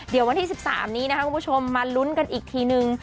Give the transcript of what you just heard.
เดี๋ยววันที่๑๓นี้นะครับคุณผู้ชมมาลุ้นกันอีกทีนึง